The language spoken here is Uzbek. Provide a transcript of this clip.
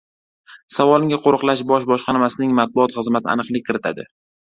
Savolga Qoʻriqlash bosh boshqarmasining matbuot xizmati aniqlik kiritadi.